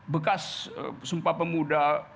bekas sumpah pemuda